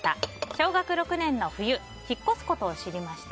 小学６年の冬引っ越すことを知りました。